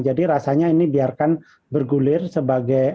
jadi rasanya ini biarkan bergulir sebagai bisnis